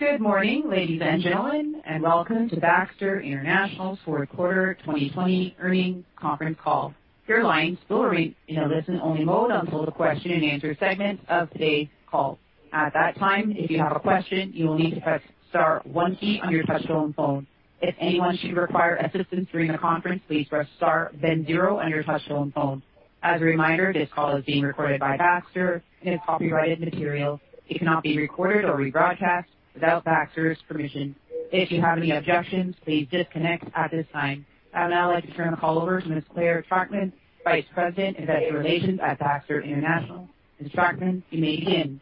Good morning, ladies and gentlemen, and welcome to Baxter International's fourth quarter 2020 earnings conference call. Your lines will remain in a listen-only mode until the question-and-answer segment of today's call. At that time, if you have a question, you will need to press the star one key on your touch-tone phone. If anyone should require assistance during the conference, please press star then zero on your touch-tone phone. As a reminder, this call is being recorded by Baxter and is copyrighted material. It cannot be recorded or rebroadcast without Baxter's permission. If you have any objections, please disconnect at this time. I would now like to turn the call over to Ms. Clare Trachtman, Vice President Investor Relations at Baxter International. Ms. Trachtman, you may begin.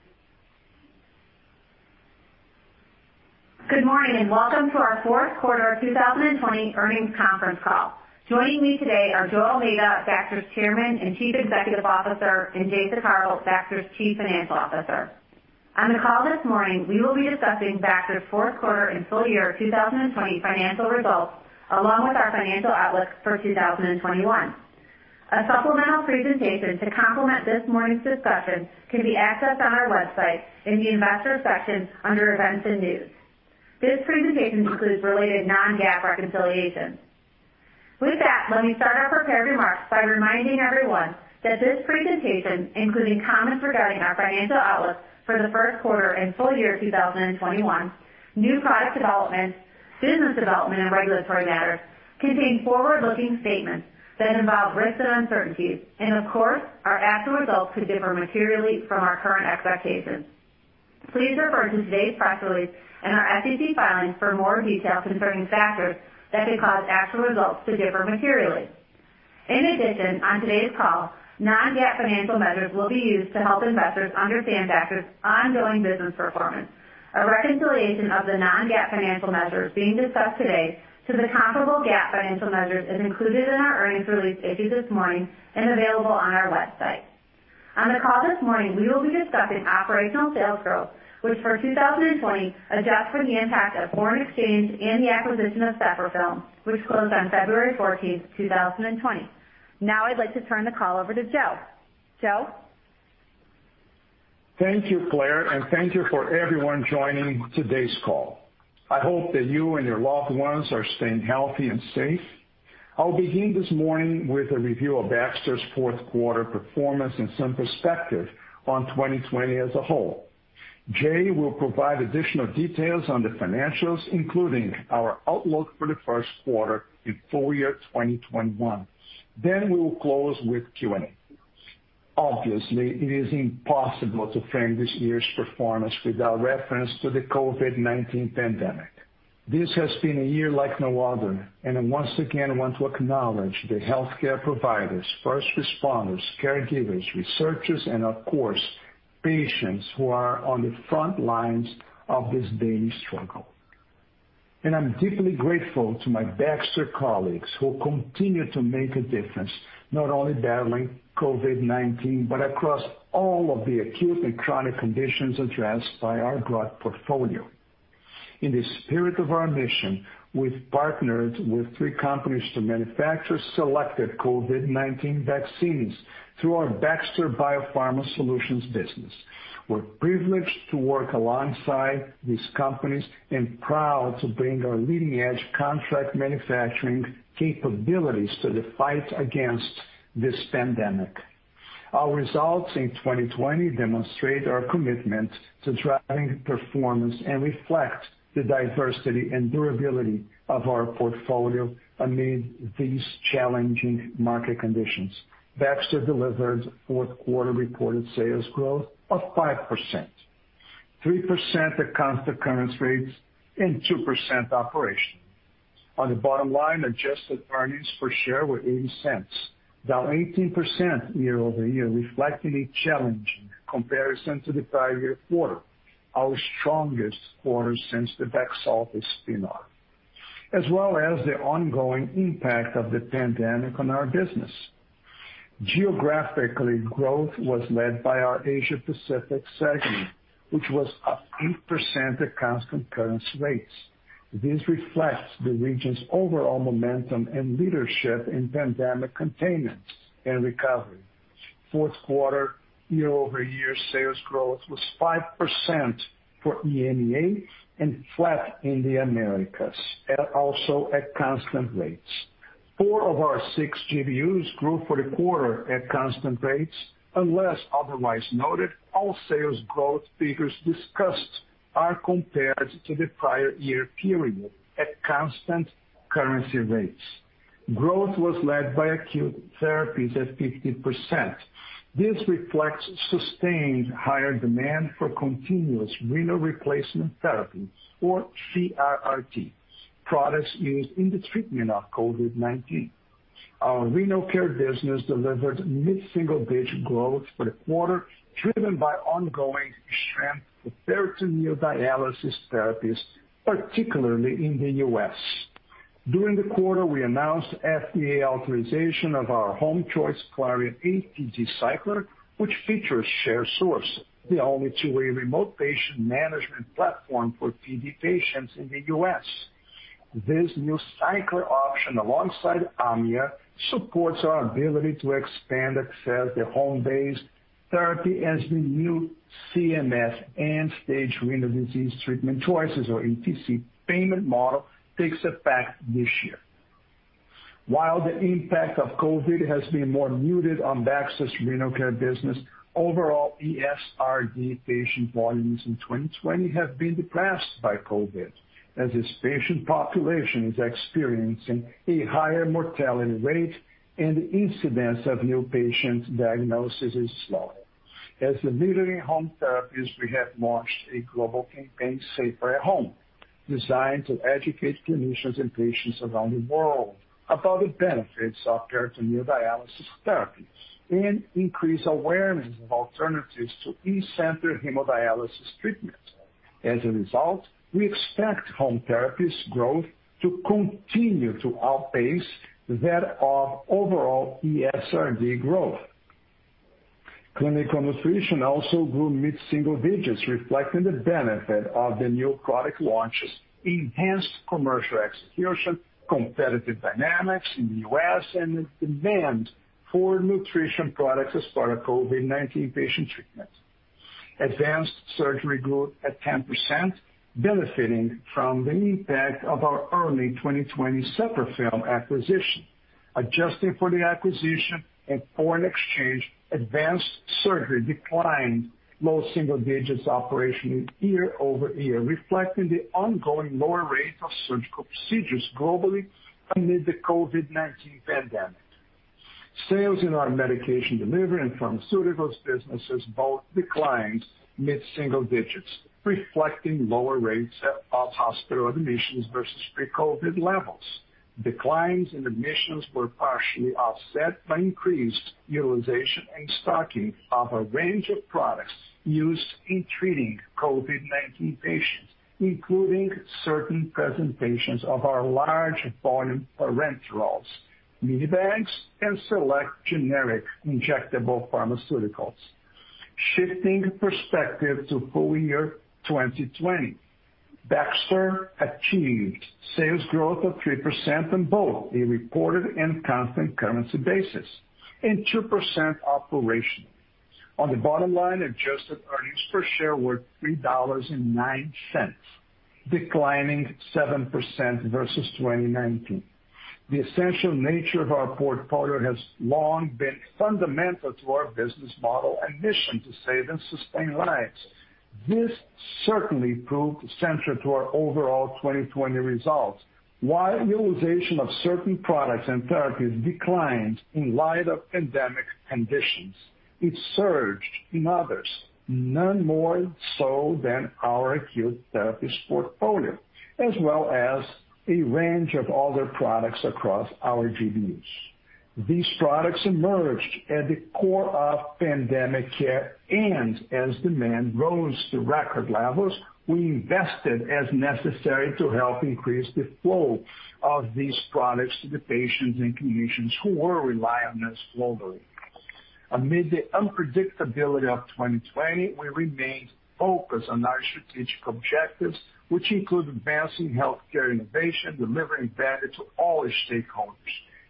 Good morning and welcome to our fourth quarter 2020 earnings conference call. Joining me today are Joe Almeida, Baxter's Chairman and Chief Executive Officer, and Jay Saccaro, Baxter's Chief Financial Officer. On the call this morning, we will be discussing Baxter's fourth quarter and full year 2020 financial results, along with our financial outlook for 2021. A supplemental presentation to complement this morning's discussion can be accessed on our website in the investor section under events and news. This presentation includes related Non-GAAP reconciliation. With that, let me start our prepared remarks by reminding everyone that this presentation, including comments regarding our financial outlook for the first quarter and full year 2021, new product development, business development, and regulatory matters, contains forward-looking statements that involve risks and uncertainties, and of course, our actual results could differ materially from our current expectations. Please refer to today's press release and our SEC filings for more detail concerning factors that could cause actual results to differ materially. In addition, on today's call, Non-GAAP financial measures will be used to help investors understand Baxter's ongoing business performance. A reconciliation of the Non-GAAP financial measures being discussed today to the comparable GAAP financial measures is included in our earnings release issued this morning and available on our website. On the call this morning, we will be discussing operational sales growth, which for 2020 adjusts for the impact of foreign exchange and the acquisition of Seprafilm, which closed on February 14, 2020. Now I'd like to turn the call over to Joe. Joe. Thank you, Clare, and thank you for everyone joining today's call. I hope that you and your loved ones are staying healthy and safe. I'll begin this morning with a review of Baxter's fourth quarter performance and some perspective on 2020 as a whole. Jay will provide additional details on the financials, including our outlook for the first quarter and full year 2021. We will close with Q&A. Obviously, it is impossible to frame this year's performance without reference to the COVID-19 pandemic. This has been a year like no other, and I once again want to acknowledge the healthcare providers, first responders, caregivers, researchers, and of course, patients who are on the front lines of this daily struggle. I'm deeply grateful to my Baxter colleagues who continue to make a difference, not only battling COVID-19, but across all of the acute and chronic conditions addressed by our broad portfolio. In the spirit of our mission, we've partnered with three companies to manufacture selected COVID-19 vaccines through our Baxter Biopharma Solutions business. We're privileged to work alongside these companies and proud to bring our leading-edge contract manufacturing capabilities to the fight against this pandemic. Our results in 2020 demonstrate our commitment to driving performance and reflect the diversity and durability of our portfolio amid these challenging market conditions. Baxter delivered fourth quarter reported sales growth of 5%, 3% accounts to current rates, and 2% operational. On the bottom line, adjusted earnings per share were $0.80, down 18% year-over-year, reflecting a challenge in comparison to the prior year quarter, our strongest quarter since the Baxalta spin-off, as well as the ongoing impact of the pandemic on our business. Geographically, growth was led by our Asia Pacific segment, which was up 8% at constant rates. This reflects the region's overall momentum and leadership in pandemic containment and recovery. Fourth quarter year-over-year sales growth was 5% for EMEA and flat in the Americas, also at constant rates. Four of our six GBUs grew for the quarter at constant rates. Unless otherwise noted, all sales growth figures discussed are compared to the prior year period at constant currency rates. Growth was led by acute therapies at 50%. This reflects sustained higher demand for continuous renal replacement therapy, or CRRT, products used in the treatment of COVID-19. Our renal care business delivered mid-single digit growth for the quarter, driven by ongoing strength for peritoneal dialysis therapies, particularly in the U.S. During the quarter, we announced FDA authorization of our Homechoice Claria APD Cycler, which features Sharesource, the only two-way remote patient management platform for PD patients in the U.S. This new Cycler option, alongside AMIA, supports our ability to expand access to home-based therapy as the new CMS end-stage renal disease treatment choices, or ETC, payment model takes effect this year. While the impact of COVID has been more muted on Baxter's renal care business, overall ESRD patient volumes in 2020 have been depressed by COVID, as this patient population is experiencing a higher mortality rate and the incidence of new patient diagnosis is slowing. As the leading home therapies, we have launched a global campaign, Safer at Home, designed to educate clinicians and patients around the world about the benefits of peritoneal dialysis therapy and increase awareness of alternatives to in-center hemodialysis treatment. As a result, we expect home therapies' growth to continue to outpace that of overall ESRD growth. Clinical nutrition also grew mid-single digits, reflecting the benefit of the new product launches, enhanced commercial execution, competitive dynamics in the U.S., and the demand for nutrition products as part of COVID-19 patient treatment. Advanced surgery grew at 10%, benefiting from the impact of our early 2020 Seprafilm acquisition. Adjusting for the acquisition and foreign exchange, advanced surgery declined low single digits operationally year-over-year, reflecting the ongoing lower rate of surgical procedures globally amid the COVID-19 pandemic. Sales in our medication delivery and pharmaceuticals businesses both declined mid-single digits, reflecting lower rates of hospital admissions versus pre-COVID levels. Declines in admissions were partially offset by increased utilization and stocking of a range of products used in treating COVID-19 patients, including certain presentations of our large volume parenterals, mini bags, and select generic injectable pharmaceuticals. Shifting perspective to full year 2020, Baxter achieved sales growth of 3% on both a reported and constant currency basis and 2% operationally. On the bottom line, adjusted earnings per share were $3.09, declining 7% versus 2019. The essential nature of our portfolio has long been fundamental to our business model and mission to save and sustain lives. This certainly proved central to our overall 2020 results. While utilization of certain products and therapies declined in light of pandemic conditions, it surged in others, none more so than our acute therapies portfolio, as well as a range of other products across our GBUs. These products emerged at the core of pandemic care, and as demand rose to record levels, we invested as necessary to help increase the flow of these products to the patients and clinicians who were relying on us globally. Amid the unpredictability of 2020, we remained focused on our strategic objectives, which include advancing healthcare innovation, delivering value to all stakeholders.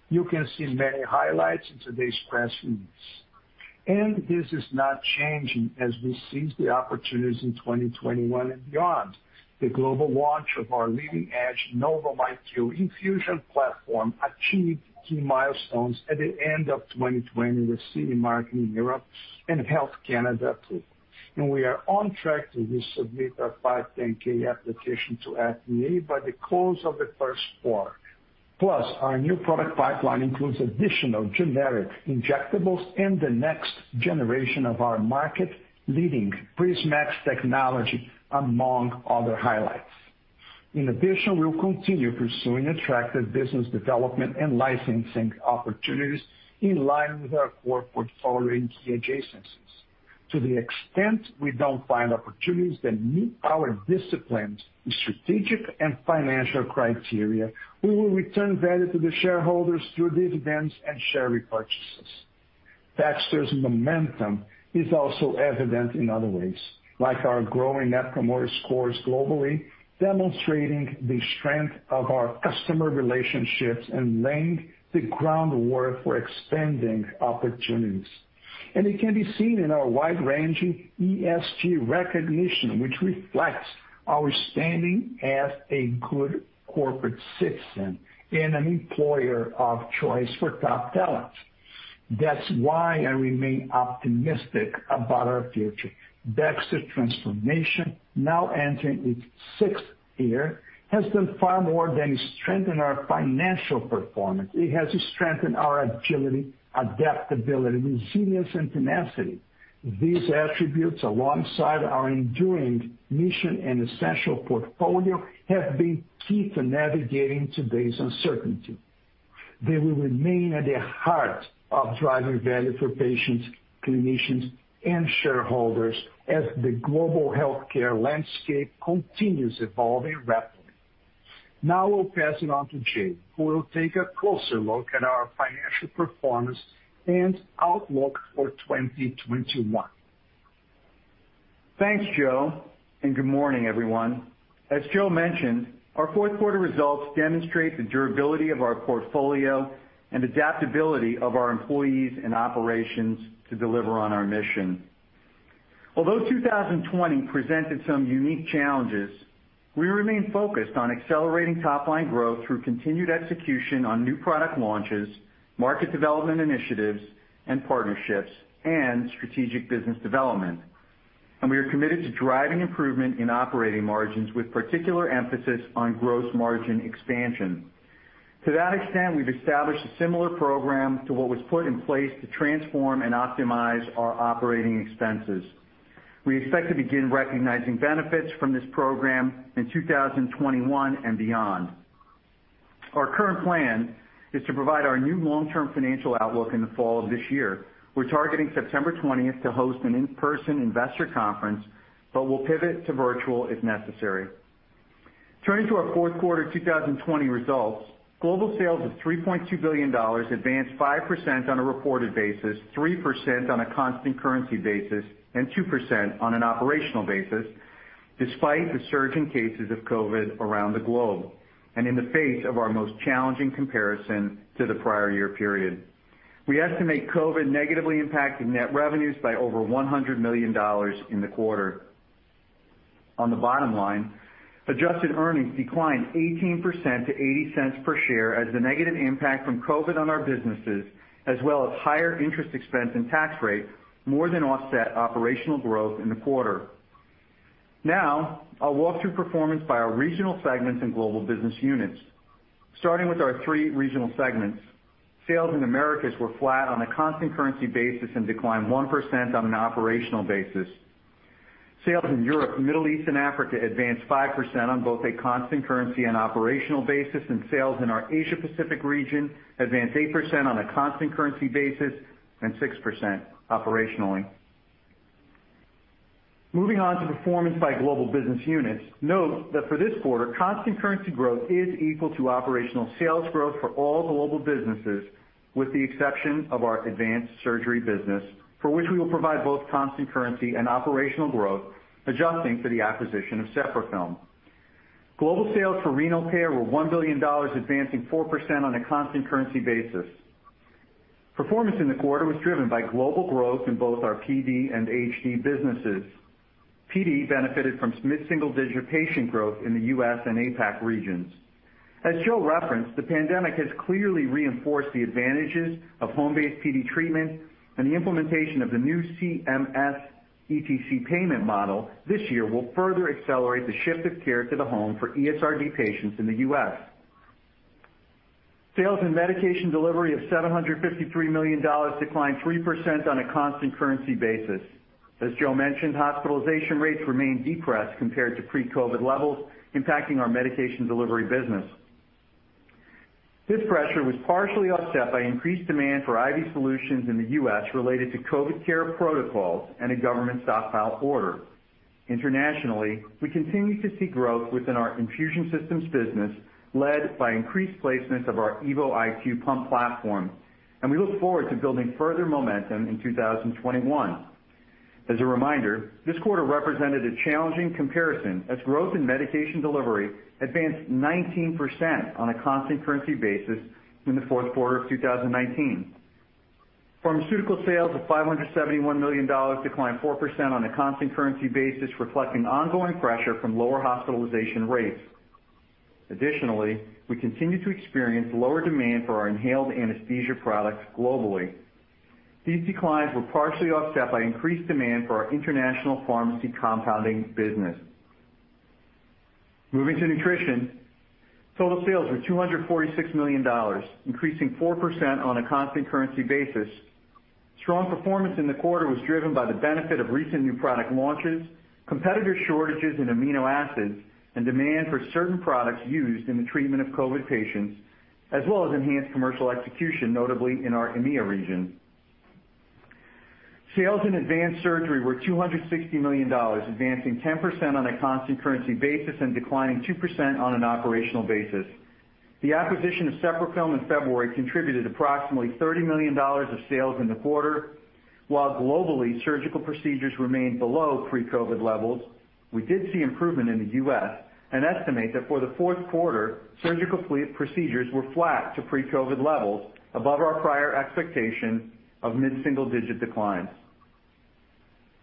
You can see many highlights in today's press release. This is not changing as we seize the opportunities in 2021 and beyond. The global launch of our leading-edge Novum IQ infusion platform achieved key milestones at the end of 2020 with CE Mark in Europe and Health Canada approved. We are on track to resubmit our 510(k) application to the FDA by the close of the first quarter. Plus, our new product pipeline includes additional generic injectables and the next generation of our market-leading Prismax technology, among other highlights. In addition, we will continue pursuing attractive business development and licensing opportunities in line with our core portfolio and key adjacencies. To the extent we do not find opportunities that meet our disciplined strategic and financial criteria, we will return value to the shareholders through dividends and share repurchases. Baxter's momentum is also evident in other ways, like our growing net promoter scores globally, demonstrating the strength of our customer relationships and laying the groundwork for expanding opportunities. It can be seen in our wide-ranging ESG recognition, which reflects our standing as a good corporate citizen and an employer of choice for top talent. That's why I remain optimistic about our future. Baxter's transformation, now entering its sixth year, has done far more than strengthen our financial performance. It has strengthened our agility, adaptability, resilience, and tenacity. These attributes, alongside our enduring mission and essential portfolio, have been key to navigating today's uncertainty. They will remain at the heart of driving value for patients, clinicians, and shareholders as the global healthcare landscape continues evolving rapidly. Now we'll pass it on to Jay, who will take a closer look at our financial performance and outlook for 2021. Thanks, Joe, and good morning, everyone. As Joe mentioned, our fourth quarter results demonstrate the durability of our portfolio and adaptability of our employees and operations to deliver on our mission. Although 2020 presented some unique challenges, we remain focused on accelerating top-line growth through continued execution on new product launches, market development initiatives, partnerships, and strategic business development. We are committed to driving improvement in operating margins with particular emphasis on gross margin expansion. To that extent, we've established a similar program to what was put in place to transform and optimize our operating expenses. We expect to begin recognizing benefits from this program in 2021 and beyond. Our current plan is to provide our new long-term financial outlook in the fall of this year. We're targeting September 20th to host an in-person investor conference, but we'll pivot to virtual if necessary. Turning to our fourth quarter 2020 results, global sales of $3.2 billion advanced 5% on a reported basis, 3% on a constant currency basis, and 2% on an operational basis, despite the surge in cases of COVID around the globe and in the face of our most challenging comparison to the prior year period. We estimate COVID negatively impacted net revenues by over $100 million in the quarter. On the bottom line, adjusted earnings declined 18% to $0.80 per share as the negative impact from COVID on our businesses, as well as higher interest expense and tax rate, more than offset operational growth in the quarter. Now I'll walk through performance by our regional segments and global business units. Starting with our three regional segments, sales in Americas were flat on a constant currency basis and declined 1% on an operational basis. Sales in Europe, Middle East, and Africa advanced 5% on both a constant currency and operational basis, and sales in our Asia Pacific region advanced 8% on a constant currency basis and 6% operationally. Moving on to performance by global business units, note that for this quarter, constant currency growth is equal to operational sales growth for all global businesses, with the exception of our advanced surgery business, for which we will provide both constant currency and operational growth, adjusting for the acquisition of Seprafilm. Global sales for renal care were $1 billion, advancing 4% on a constant currency basis. Performance in the quarter was driven by global growth in both our PD and HD businesses. PD benefited from mid-single digit patient growth in the U.S. and APAC regions. As Joe referenced, the pandemic has clearly reinforced the advantages of home-based PD treatment, and the implementation of the new CMS ETC payment model this year will further accelerate the shift of care to the home for ESRD patients in the U.S. Sales in medication delivery of $753 million declined 3% on a constant currency basis. As Joe mentioned, hospitalization rates remain depressed compared to pre-COVID levels, impacting our medication delivery business. This pressure was partially offset by increased demand for IV solutions in the U.S. related to COVID care protocols and a government stockpile order. Internationally, we continue to see growth within our infusion systems business, led by increased placements of our Evo IQ pump platform, and we look forward to building further momentum in 2021. As a reminder, this quarter represented a challenging comparison as growth in medication delivery advanced 19% on a constant currency basis in the fourth quarter of 2019. Pharmaceutical sales of $571 million declined 4% on a constant currency basis, reflecting ongoing pressure from lower hospitalization rates. Additionally, we continue to experience lower demand for our inhaled anesthesia products globally. These declines were partially offset by increased demand for our international pharmacy compounding business. Moving to nutrition, total sales were $246 million, increasing 4% on a constant currency basis. Strong performance in the quarter was driven by the benefit of recent new product launches, competitor shortages in amino acids, and demand for certain products used in the treatment of COVID patients, as well as enhanced commercial execution, notably in our EMEA region. Sales in advanced surgery were $260 million, advancing 10% on a constant currency basis and declining 2% on an operational basis. The acquisition of Seprafilm in February contributed approximately $30 million of sales in the quarter. While globally, surgical procedures remained below pre-COVID levels, we did see improvement in the U.S. and estimate that for the fourth quarter, surgical procedures were flat to pre-COVID levels, above our prior expectation of mid-single digit declines.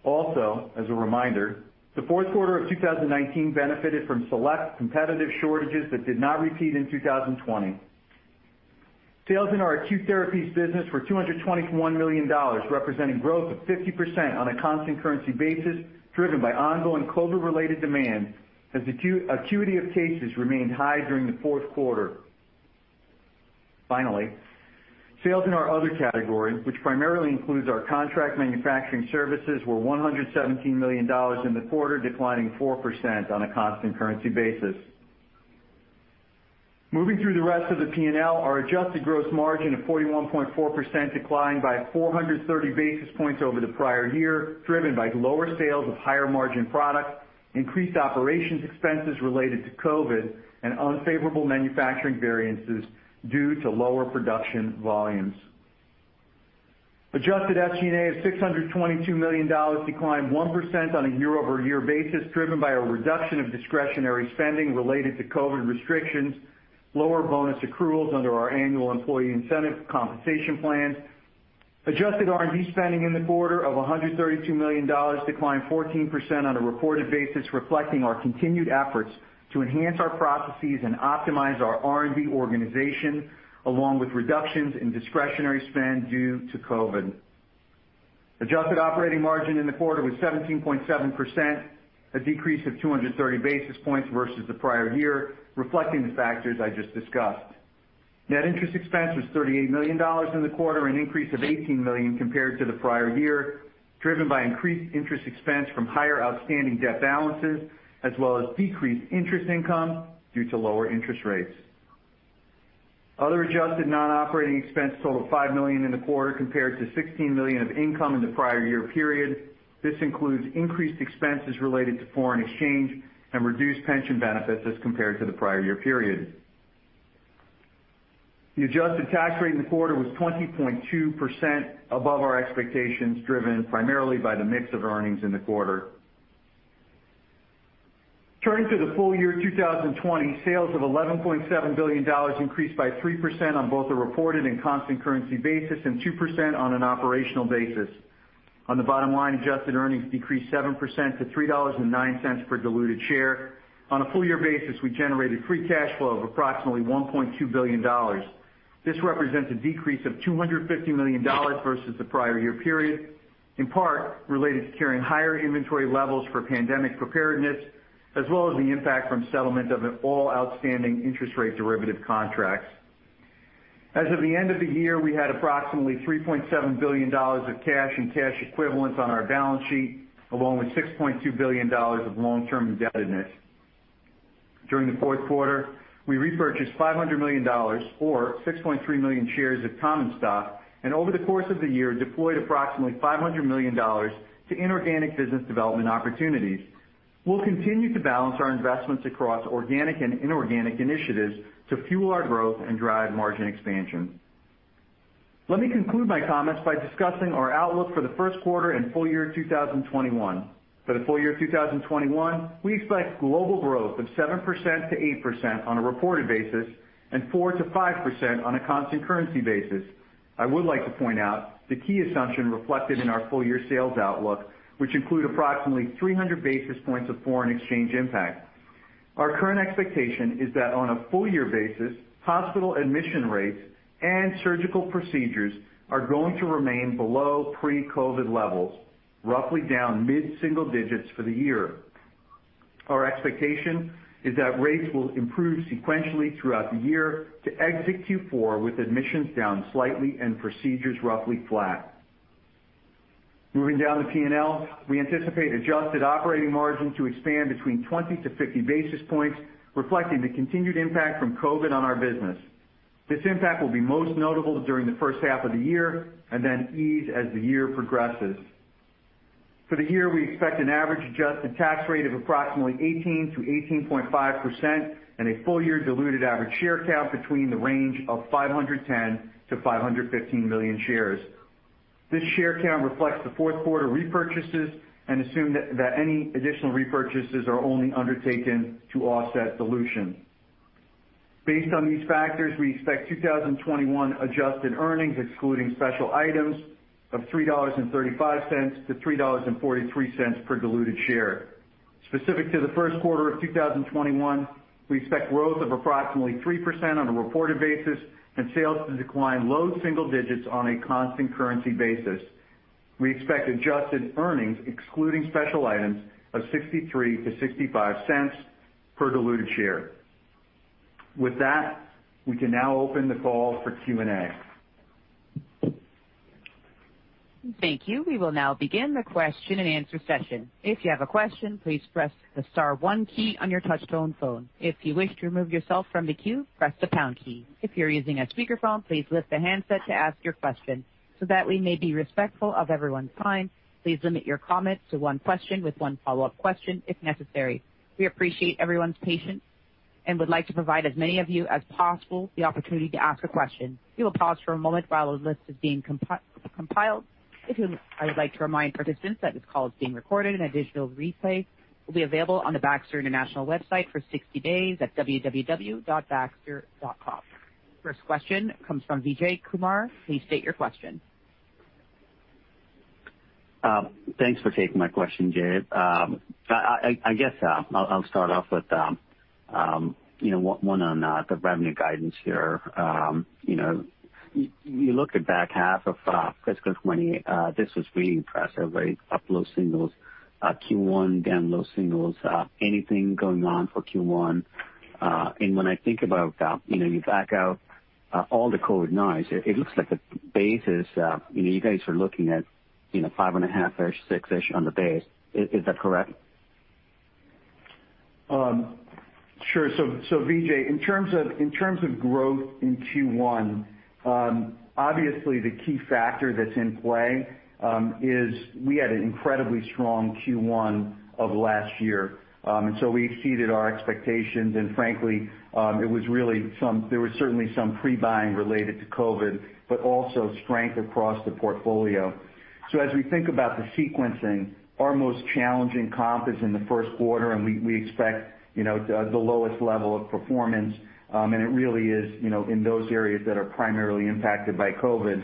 Also, as a reminder, the fourth quarter of 2019 benefited from select competitive shortages that did not repeat in 2020. Sales in our acute therapies business were $221 million, representing growth of 50% on a constant currency basis, driven by ongoing COVID-related demand as the acuity of cases remained high during the fourth quarter. Finally, sales in our other category, which primarily includes our contract manufacturing services, were $117 million in the quarter, declining 4% on a constant currency basis. Moving through the rest of the P&L, our adjusted gross margin of 41.4% declined by 430 basis points over the prior year, driven by lower sales of higher margin products, increased operations expenses related to COVID, and unfavorable manufacturing variances due to lower production volumes. Adjusted FG&A of $622 million declined 1% on a year-over-year basis, driven by a reduction of discretionary spending related to COVID restrictions, lower bonus accruals under our annual employee incentive compensation plans. Adjusted R&D spending in the quarter of $132 million declined 14% on a reported basis, reflecting our continued efforts to enhance our processes and optimize our R&D organization, along with reductions in discretionary spend due to COVID. Adjusted operating margin in the quarter was 17.7%, a decrease of 230 basis points versus the prior year, reflecting the factors I just discussed. Net interest expense was $38 million in the quarter, an increase of $18 million compared to the prior year, driven by increased interest expense from higher outstanding debt balances, as well as decreased interest income due to lower interest rates. Other adjusted non-operating expense totaled $5 million in the quarter compared to $16 million of income in the prior year period. This includes increased expenses related to foreign exchange and reduced pension benefits as compared to the prior year period. The adjusted tax rate in the quarter was 20.2% above our expectations, driven primarily by the mix of earnings in the quarter. Turning to the full year 2020, sales of $11.7 billion increased by 3% on both a reported and constant currency basis and 2% on an operational basis. On the bottom line, adjusted earnings decreased 7% to $3.09 per diluted share. On a full year basis, we generated free cash flow of approximately $1.2 billion. This represents a decrease of $250 million versus the prior year period, in part related to carrying higher inventory levels for pandemic preparedness, as well as the impact from settlement of all outstanding interest rate derivative contracts. As of the end of the year, we had approximately $3.7 billion of cash and cash equivalents on our balance sheet, along with $6.2 billion of long-term indebtedness. During the fourth quarter, we repurchased $500 million, or $6.3 million shares of common stock, and over the course of the year, deployed approximately $500 million to inorganic business development opportunities. We'll continue to balance our investments across organic and inorganic initiatives to fuel our growth and drive margin expansion. Let me conclude my comments by discussing our outlook for the first quarter and full year 2021. For the full year 2021, we expect global growth of 7%-8% on a reported basis and 4%-5% on a constant currency basis. I would like to point out the key assumption reflected in our full year sales outlook, which includes approximately 300 basis points of foreign exchange impact. Our current expectation is that on a full year basis, hospital admission rates and surgical procedures are going to remain below pre-COVID levels, roughly down mid-single digits for the year. Our expectation is that rates will improve sequentially throughout the year to exit Q4 with admissions down slightly and procedures roughly flat. Moving down the P&L, we anticipate adjusted operating margin to expand between 20 basis points -50 basis points, reflecting the continued impact from COVID on our business. This impact will be most notable during the first half of the year and then ease as the year progresses. For the year, we expect an average adjusted tax rate of approximately 18%-18.5% and a full year diluted average share count between the range of $510 million-$515 million shares. This share count reflects the fourth quarter repurchases and assumes that any additional repurchases are only undertaken to offset dilution. Based on these factors, we expect 2021 adjusted earnings, excluding special items, of $3.35-$3.43 per diluted share. Specific to the first quarter of 2021, we expect growth of approximately 3% on a reported basis and sales to decline low single digits on a constant currency basis. We expect adjusted earnings, excluding special items, of $0.63-$0.65 per diluted share. With that, we can now open the call for Q&A. Thank you. We will now begin the question and answer session. If you have a question, please press the star one key on your touch-tone phone. If you wish to remove yourself from the queue, press the pound key. If you're using a speakerphone, please lift the handset to ask your question. So that we may be respectful of everyone's time, please limit your comments to one question with one follow-up question if necessary. We appreciate everyone's patience and would like to provide as many of you as possible the opportunity to ask a question. We will pause for a moment while a list is being compiled. I would like to remind participants that this call is being recorded, and a digital replay will be available on the Baxter International website for 60 days at www.baxter.com. First question comes from Vijay Kumar. Please state your question. Thanks for taking my question, Jay. I guess I'll start off with one on the revenue guidance here. You looked at back half of fiscal 2020. This was really impressive, right? Up low singles, Q1 down low singles, anything going on for Q1. When I think about you back out all the COVID noise, it looks like the basis, you guys are looking at five and a half-ish, six-ish on the base. Is that correct? Sure. Vijay, in terms of growth in Q1, obviously the key factor that's in play is we had an incredibly strong Q1 of last year. We exceeded our expectations. Frankly, there was certainly some pre-buying related to COVID, but also strength across the portfolio. As we think about the sequencing, our most challenging comp is in the first quarter, and we expect the lowest level of performance. It really is in those areas that are primarily impacted by COVID.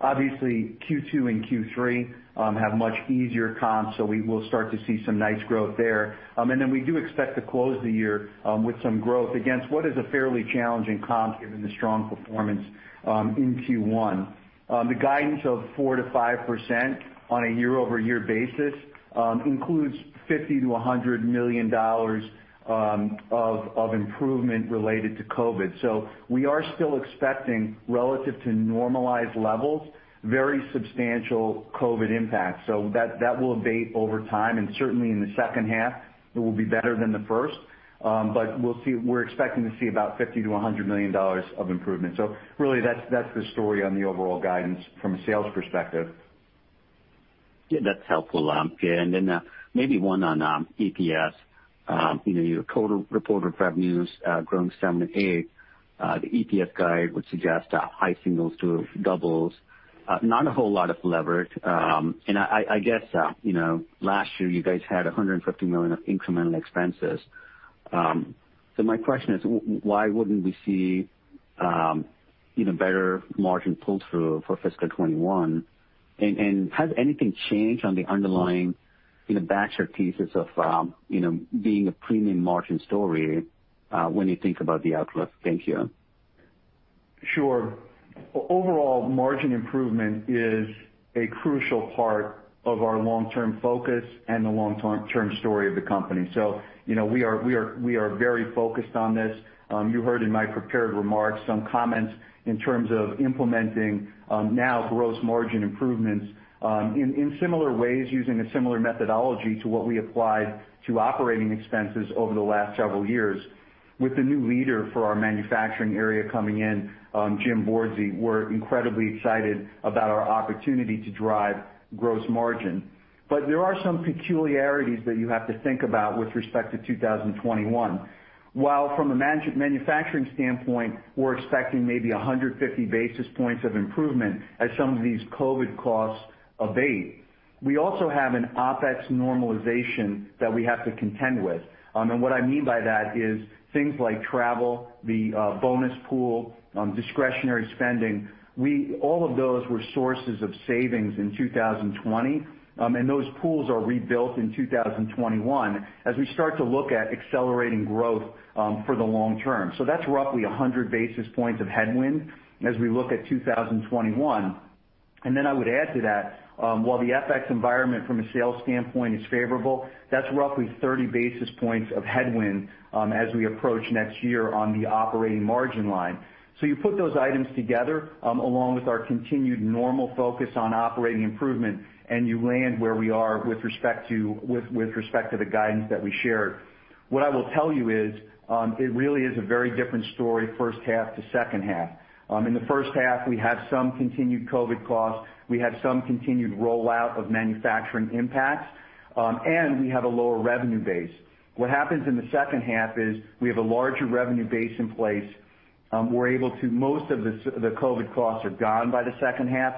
Obviously, Q2 and Q3 have much easier comps, so we will start to see some nice growth there. We do expect to close the year with some growth against what is a fairly challenging comp given the strong performance in Q1. The guidance of 4%-5% on a year-over-year basis includes $50 million-$100 million of improvement related to COVID. We are still expecting, relative to normalized levels, very substantial COVID impacts. That will abate over time. Certainly in the second half, it will be better than the first. We are expecting to see about $50 million-$100 million of improvement. That is the story on the overall guidance from a sales perspective. Yeah, that's helpful. Maybe one on EPS. Your total reported revenues growing 7%-8%. The EPS guide would suggest high singles to doubles, not a whole lot of leverage. I guess last year you guys had $150 million of incremental expenses. My question is, why wouldn't we see better margin pull-through for fiscal 2021? Has anything changed on the underlying Baxter thesis of being a premium margin story when you think about the outlook? Thank you. Sure. Overall, margin improvement is a crucial part of our long-term focus and the long-term story of the company. We are very focused on this. You heard in my prepared remarks some comments in terms of implementing now gross margin improvements in similar ways, using a similar methodology to what we applied to operating expenses over the last several years. With the new leader for our manufacturing area coming in, James Borzi, we're incredibly excited about our opportunity to drive gross margin. There are some peculiarities that you have to think about with respect to 2021. While from a manufacturing standpoint, we're expecting maybe 150 basis points of improvement as some of these COVID costs abate, we also have an OpEx normalization that we have to contend with. What I mean by that is things like travel, the bonus pool, discretionary spending. All of those were sources of savings in 2020. Those pools are rebuilt in 2021 as we start to look at accelerating growth for the long term. That is roughly 100 basis points of headwind as we look at 2021. I would add to that, while the FX environment from a sales standpoint is favorable, that is roughly 30 basis points of headwind as we approach next year on the operating margin line. You put those items together along with our continued normal focus on operating improvement, and you land where we are with respect to the guidance that we shared. What I will tell you is it really is a very different story, first half to second half. In the first half, we have some continued COVID costs. We have some continued rollout of manufacturing impacts. We have a lower revenue base. What happens in the second half is we have a larger revenue base in place. We are able to, most of the COVID costs are gone by the second half.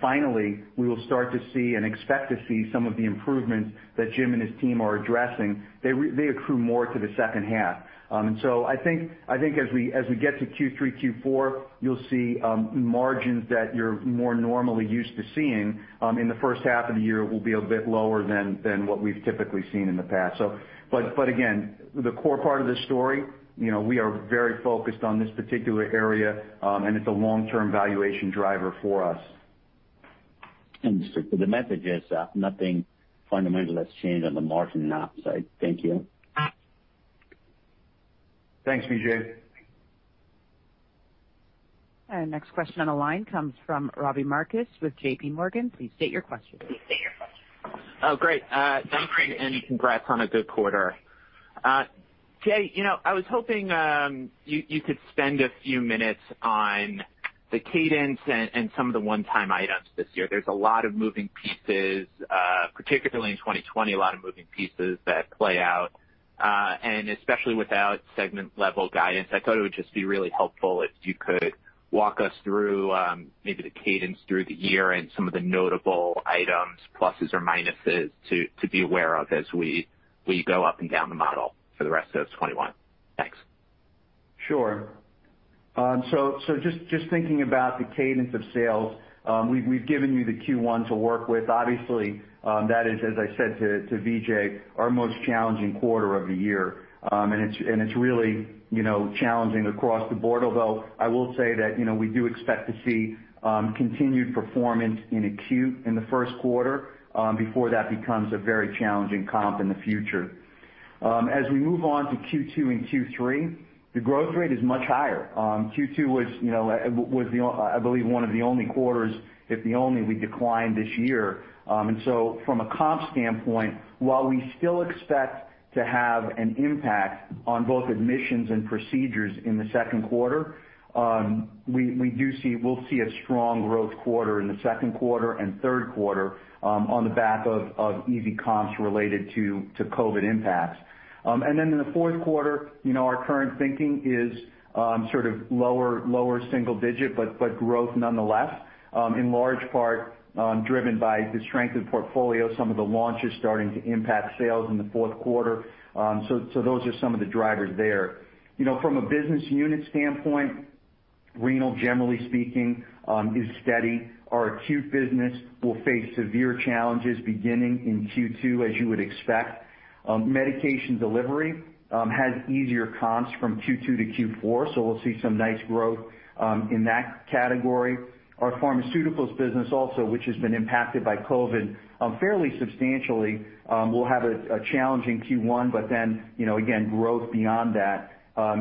Finally, we will start to see and expect to see some of the improvements that Jim and his team are addressing. They accrue more to the second half. I think as we get to Q3, Q4, you will see margins that you are more normally used to seeing. In the first half of the year, it will be a bit lower than what we have typically seen in the past. Again, the core part of the story, we are very focused on this particular area, and it is a long-term valuation driver for us. The message is nothing fundamental has changed on the margin and ops side. Thank you. Thanks, Vijay. Next question on the line comes from Robbie Marcus with JPMorgan. Please state your question. Please state your question. Oh, great. Thank you, and congrats on a good quarter. Jay, I was hoping you could spend a few minutes on the cadence and some of the one-time items this year. There is a lot of moving pieces, particularly in 2020, a lot of moving pieces that play out. Especially without segment-level guidance, I thought it would just be really helpful if you could walk us through maybe the cadence through the year and some of the notable items, pluses or minuses, to be aware of as we go up and down the model for the rest of 2021. Thanks. Sure. Just thinking about the cadence of sales, we've given you the Q1 to work with. Obviously, that is, as I said to Vijay, our most challenging quarter of the year. It's really challenging across the board. Although I will say that we do expect to see continued performance in acute in the first quarter before that becomes a very challenging comp in the future. As we move on to Q2 and Q3, the growth rate is much higher. Q2 was, I believe, one of the only quarters, if the only, we declined this year. From a comp standpoint, while we still expect to have an impact on both admissions and procedures in the second quarter, we'll see a strong growth quarter in the second quarter and third quarter on the back of easy comps related to COVID impacts. In the fourth quarter, our current thinking is sort of lower single digit, but growth nonetheless, in large part driven by the strength of the portfolio, some of the launches starting to impact sales in the fourth quarter. Those are some of the drivers there. From a business unit standpoint, renal, generally speaking, is steady. Our acute business will face severe challenges beginning in Q2, as you would expect. Medication delivery has easier comps from Q2 to Q4, so we'll see some nice growth in that category. Our pharmaceuticals business also, which has been impacted by COVID fairly substantially, will have a challenging Q1, but then again, growth beyond that.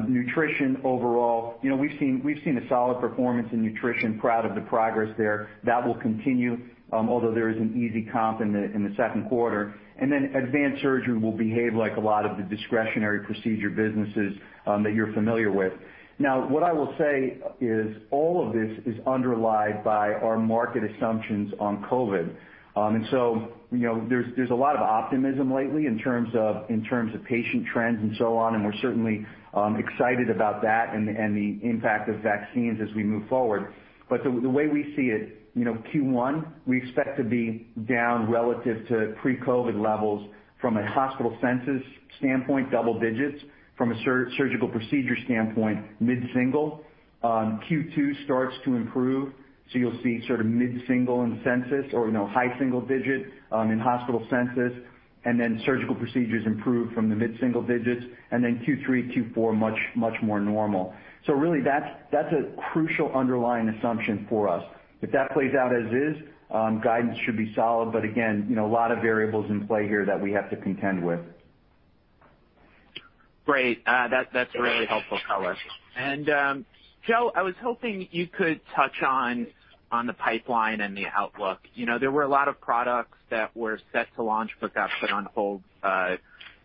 Nutrition overall, we've seen a solid performance in nutrition, proud of the progress there. That will continue, although there is an easy comp in the second quarter. Advanced surgery will behave like a lot of the discretionary procedure businesses that you're familiar with. What I will say is all of this is underlined by our market assumptions on COVID. There is a lot of optimism lately in terms of patient trends and so on. We're certainly excited about that and the impact of vaccines as we move forward. The way we see it, Q1, we expect to be down relative to pre-COVID levels from a hospital census standpoint, double digits. From a surgical procedure standpoint, mid-single. Q2 starts to improve. You'll see sort of mid-single in census or high single digit in hospital census. Surgical procedures improve from the mid-single digits. Q3, Q4, much more normal. That is a crucial underlying assumption for us. If that plays out as is, guidance should be solid. Again, a lot of variables in play here that we have to contend with. Great. That's really helpful, fellows. And Joe, I was hoping you could touch on the pipeline and the outlook. There were a lot of products that were set to launch but got put on hold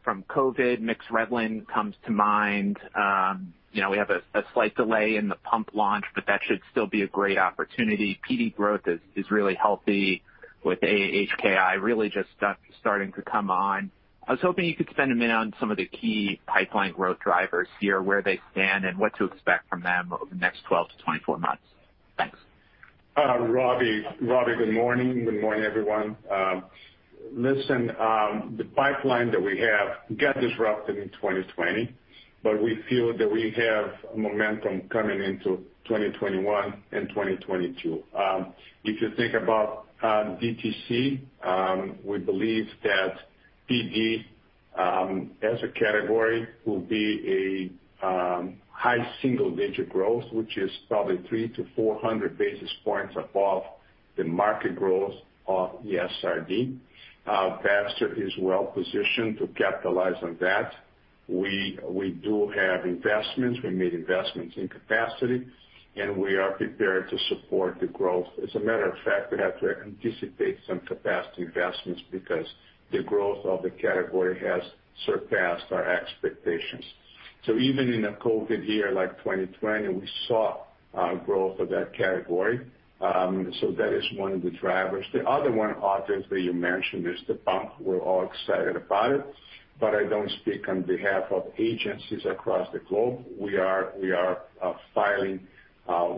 from COVID. Myxredlin comes to mind. We have a slight delay in the pump launch, but that should still be a great opportunity. PD growth is really healthy with AAKHI really just starting to come on. I was hoping you could spend a minute on some of the key pipeline growth drivers here, where they stand, and what to expect from them over the next 12-24 months. Thanks. Robbie, good morning. Good morning, everyone. Listen, the pipeline that we have got disrupted in 2020, but we feel that we have momentum coming into 2021 and 2022. If you think about ETC, we believe that PD as a category will be a high single-digit growth, which is probably 300 basis points-400 basis points above the market growth of ESRD. Baxter is well positioned to capitalize on that. We do have investments. We made investments in capacity, and we are prepared to support the growth. As a matter of fact, we have to anticipate some capacity investments because the growth of the category has surpassed our expectations. Even in a COVID year like 2020, we saw growth of that category. That is one of the drivers. The other one, obviously, you mentioned is the pump. We're all excited about it. I do not speak on behalf of agencies across the globe. We are filing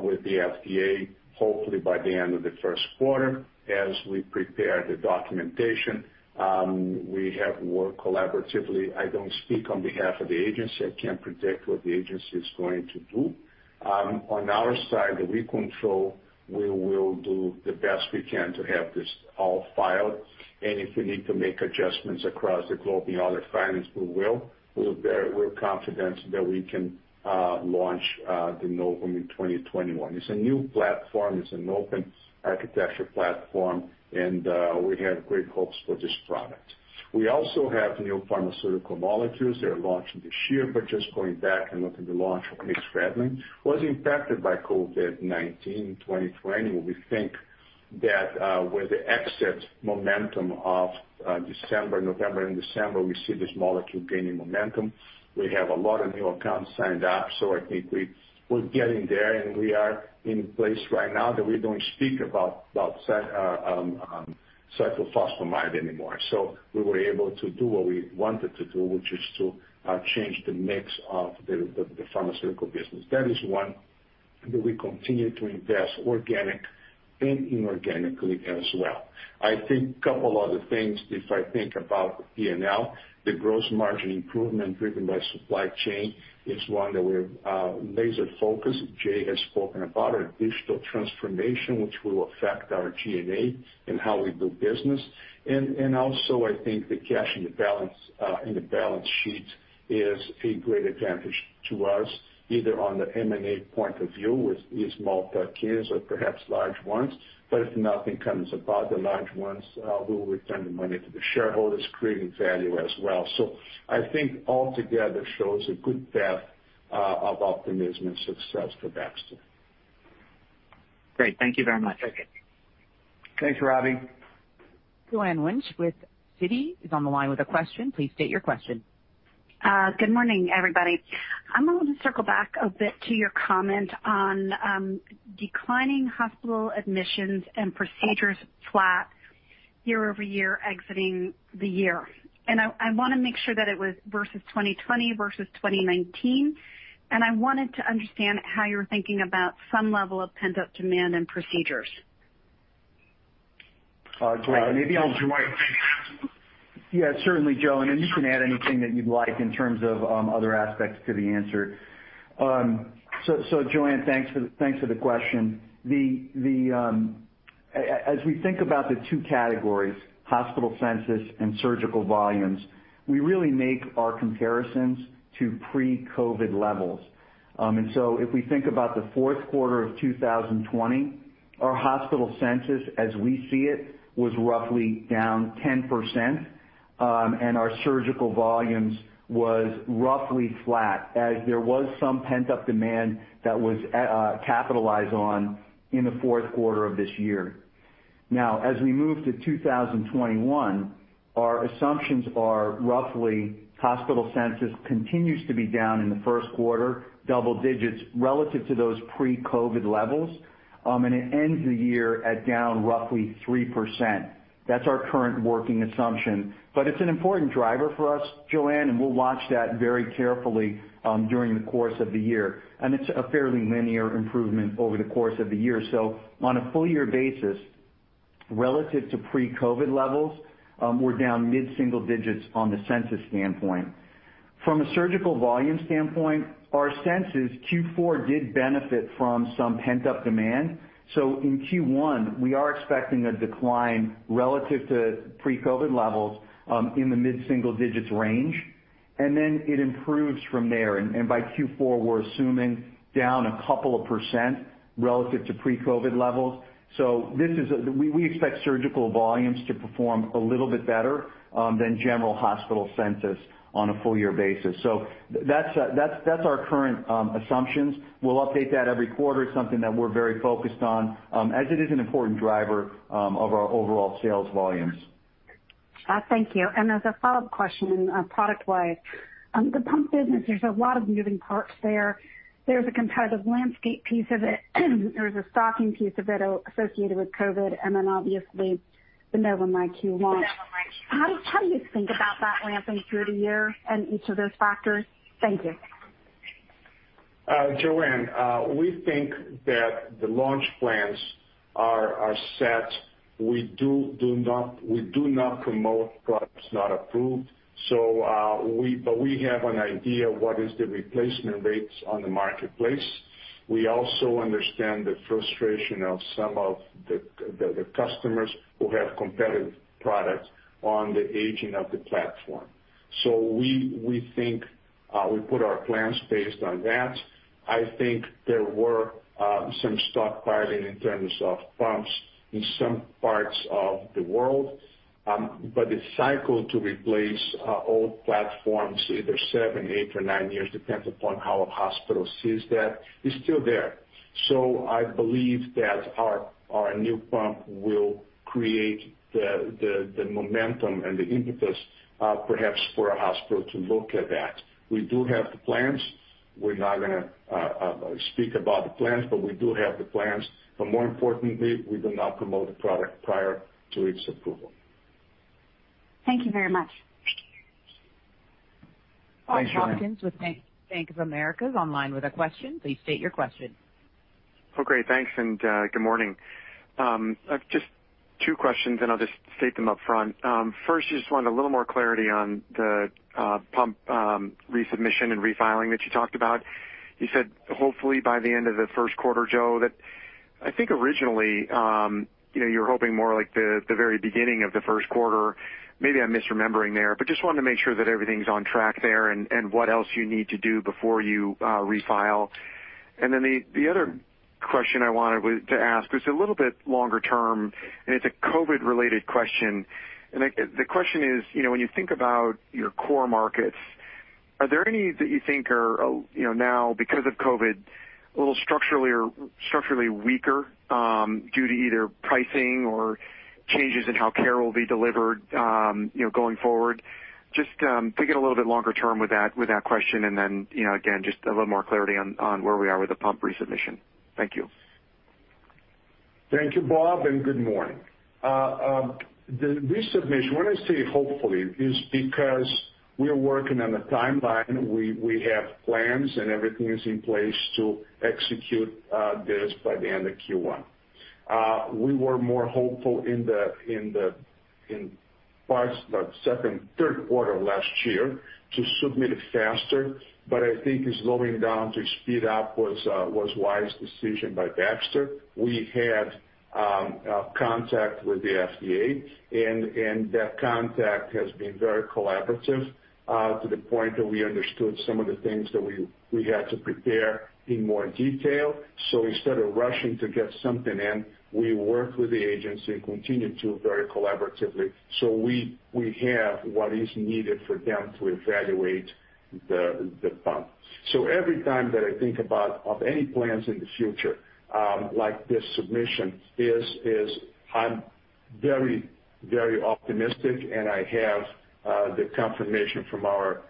with the FDA, hopefully by the end of the first quarter as we prepare the documentation. We have worked collaboratively. I do not speak on behalf of the agency. I cannot predict what the agency is going to do. On our side that we control, we will do the best we can to have this all filed. If we need to make adjustments across the globe in other finance, we will. We are confident that we can launch the Novum in 2021. It is a new platform. It is an open architecture platform, and we have great hopes for this product. We also have new pharmaceutical molecules. They are launching this year. Just going back and looking at the launch of Myxredlin, it was impacted by COVID-19 in 2020. We think that with the exit momentum of December, November, and December, we see this molecule gaining momentum. We have a lot of new accounts signed up. I think we're getting there. We are in a place right now that we don't speak about cyclophosphamide anymore. We were able to do what we wanted to do, which is to change the mix of the pharmaceutical business. That is one that we continue to invest organic and inorganically as well. I think a couple of other things. If I think about P&L, the gross margin improvement driven by supply chain is one that we're laser-focused. Jay has spoken about our digital transformation, which will affect our G&A and how we do business. I think the cash and the balance sheet is a great advantage to us, either on the M&A point of view with these small clients or perhaps large ones. If nothing comes about the large ones, we will return the money to the shareholders, creating value as well. I think altogether shows a good path of optimism and success for Baxter. Great. Thank you very much. Thanks, Robbie. Joanne Wuensch with Citi is on the line with a question. Please state your question. Good morning, everybody. I'm going to circle back a bit to your comment on declining hospital admissions and procedures flat year-over-year, exiting the year. I want to make sure that it was versus 2020 versus 2019. I wanted to understand how you're thinking about some level of pent-up demand and procedures. Joanne, maybe I'll join. Yeah, certainly, Joanne. You can add anything that you'd like in terms of other aspects to the answer. Joanne, thanks for the question. As we think about the two categories, hospital census and surgical volumes, we really make our comparisons to pre-COVID levels. If we think about the fourth quarter of 2020, our hospital census, as we see it, was roughly down 10%. Our surgical volumes were roughly flat, as there was some pent-up demand that was capitalized on in the fourth quarter of this year. Now, as we move to 2021, our assumptions are roughly hospital census continues to be down in the first quarter, double digits relative to those pre-COVID levels. It ends the year at down roughly 3%. That's our current working assumption. It is an important driver for us, Joanne, and we'll watch that very carefully during the course of the year. It is a fairly linear improvement over the course of the year. On a full-year basis, relative to pre-COVID levels, we're down mid-single digits on the census standpoint. From a surgical volume standpoint, our census in Q4 did benefit from some pent-up demand. In Q1, we are expecting a decline relative to pre-COVID levels in the mid-single digits range. It improves from there. By Q4, we're assuming down a couple of percent relative to pre-COVID levels. We expect surgical volumes to perform a little bit better than general hospital census on a full-year basis. That is our current assumption. We'll update that every quarter. It is something that we're very focused on, as it is an important driver of our overall sales volumes. Thank you. As a follow-up question, product-wise, the pump business, there is a lot of moving parts there. There is a competitive landscape piece of it. There is a stocking piece of it associated with COVID, and then obviously the Novum IQ launch. How do you think about that ramping through the year and each of those factors? Thank you. Joanne, we think that the launch plans are set. We do not promote products not approved. We have an idea of what is the replacement rates on the marketplace. We also understand the frustration of some of the customers who have competitive products on the aging of the platform. We think we put our plans based on that. I think there were some stockpiling in terms of pumps in some parts of the world. The cycle to replace old platforms, either seven, eight, or nine years, depends upon how a hospital sees that, is still there. I believe that our new pump will create the momentum and the impetus, perhaps for a hospital to look at that. We do have the plans. We're not going to speak about the plans, but we do have the plans. More importantly, we do not promote the product prior to its approval. Thank you very much. Thanks, Joanne. Thank you. Bank of America is online with a question. Please state your question. Great. Thanks. Good morning. Just two questions, and I'll just state them up front. First, I just want a little more clarity on the pump resubmission and refiling that you talked about. You said, hopefully, by the end of the first quarter, Joe, that I think originally you were hoping more like the very beginning of the first quarter. Maybe I'm misremembering there, but just wanted to make sure that everything's on track there and what else you need to do before you refile. The other question I wanted to ask was a little bit longer term, and it's a COVID-related question. The question is, when you think about your core markets, are there any that you think are now, because of COVID, a little structurally weaker due to either pricing or changes in how care will be delivered going forward? Just thinking a little bit longer term with that question, and then again, just a little more clarity on where we are with the pump resubmission. Thank you. Thank you, Bob, and good morning. The resubmission, when I say hopefully, is because we're working on a timeline. We have plans, and everything is in place to execute this by the end of Q1. We were more hopeful in the second, third quarter of last year to submit it faster. I think slowing down to speed up was a wise decision by Baxter. We had contact with the FDA, and that contact has been very collaborative to the point that we understood some of the things that we had to prepare in more detail. Instead of rushing to get something in, we worked with the agency and continued to very collaboratively. We have what is needed for them to evaluate the pump. Every time that I think about any plans in the future like this submission, I'm very, very optimistic, and I have the confirmation from our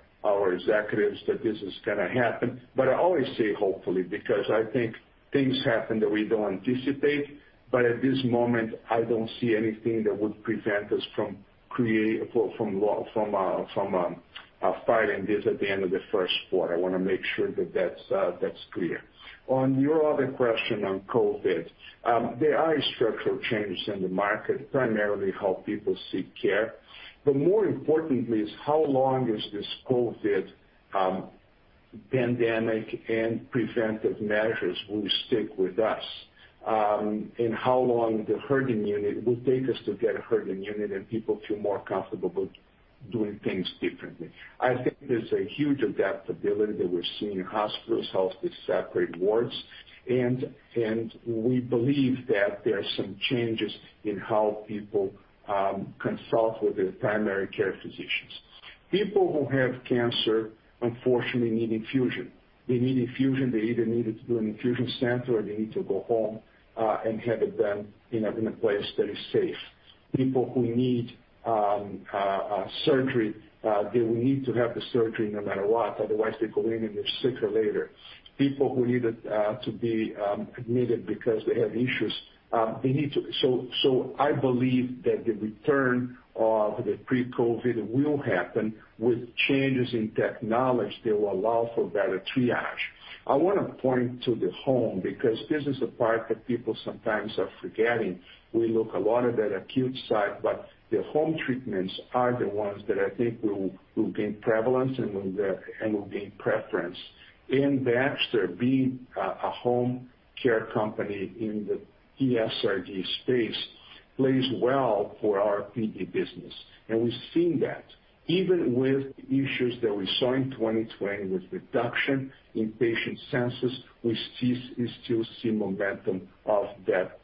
executives that this is going to happen. I always say hopefully because I think things happen that we don't anticipate. At this moment, I don't see anything that would prevent us from filing this at the end of the first quarter. I want to make sure that that's clear. On your other question on COVID, there are structural changes in the market, primarily how people seek care. More importantly, how long is this COVID pandemic and preventive measures will stick with us, and how long the herd immunity will take us to get a herd immunity and people feel more comfortable doing things differently. I think there's a huge adaptability that we're seeing in hospitals. Health is separate wards. We believe that there are some changes in how people consult with their primary care physicians. People who have cancer, unfortunately, need infusion. They need infusion. They either need it to do an infusion center or they need to go home and have it done in a place that is safe. People who need surgery, they will need to have the surgery no matter what. Otherwise, they go in and they are sicker later. People who need to be admitted because they have issues, they need to. I believe that the return of the pre-COVID will happen with changes in technology that will allow for better triage. I want to point to the home because this is the part that people sometimes are forgetting. We look a lot at that acute side, but the home treatments are the ones that I think will gain prevalence and will gain preference. Baxter, being a home care company in the ESRD space, plays well for our PD business. We have seen that. Even with issues that we saw in 2020 with reduction in patient census, we still see momentum of that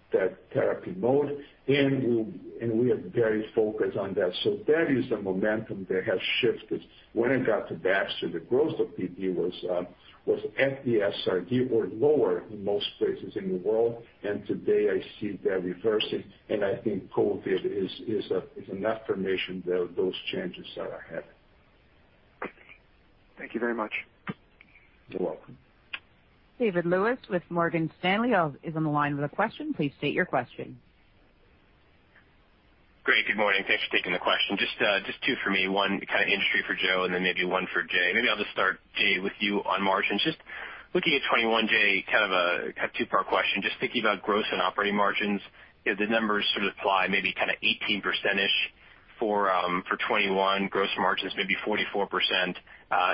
therapy mode. We are very focused on that. That is the momentum that has shifted. When I got to Baxter, the growth of PD was at the ESRD or lower in most places in the world. Today, I see that reversing. I think COVID is an affirmation that those changes are ahead. Thank you very much. You're welcome. David Lewis with Morgan Stanley is on the line with a question. Please state your question. Great. Good morning. Thanks for taking the question. Just two for me. One kind of industry for Joe, and then maybe one for Jay. Maybe I'll just start, Jay, with you on margins. Just looking at 2021, Jay, kind of a two-part question. Just thinking about gross and operating margins, the numbers sort of apply maybe kind of 18%-ish for 2021. Gross margins, maybe 44%.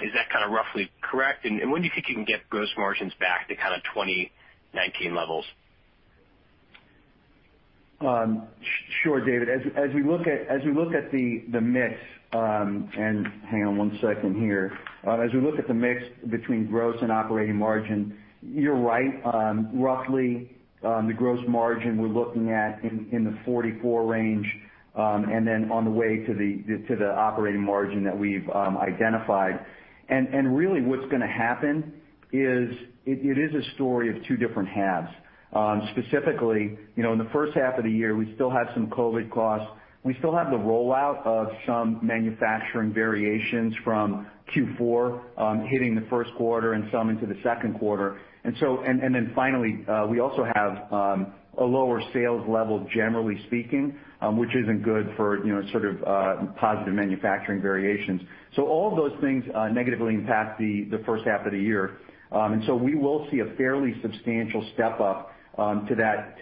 Is that kind of roughly correct? When do you think you can get gross margins back to kind of 2019 levels? Sure, David. As we look at the mix and hang on one second here. As we look at the mix between gross and operating margin, you're right. Roughly, the gross margin we're looking at in the 44% range and then on the way to the operating margin that we've identified. Really, what's going to happen is it is a story of two different halves. Specifically, in the first half of the year, we still have some COVID costs. We still have the rollout of some manufacturing variations from Q4 hitting the first quarter and some into the second quarter. Finally, we also have a lower sales level, generally speaking, which isn't good for sort of positive manufacturing variations. All of those things negatively impact the first half of the year. We will see a fairly substantial step up to that